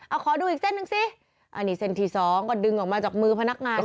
เอาขอดูอีกเส้นหนึ่งสิอันนี้เส้นที่สองก็ดึงออกมาจากมือพนักงาน